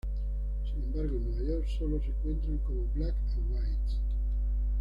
Sin embargo, en Nueva York solo se encuentran como "black and whites".